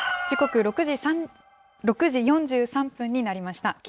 時刻、６時４３分になりました。